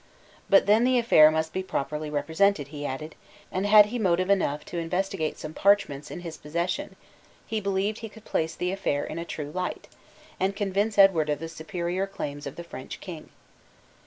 But then the affair must be properly represented, he added; and had he motive enough to investigate some parchments in his possession, he believed he could place the affair in a true light, and convince Edward of the superior claims of the French king.